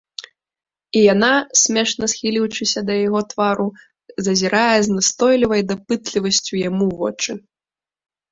І яна, смешна схіліўшыся да яго твару, зазірае з настойлівай дапытлівасцю яму ў вочы.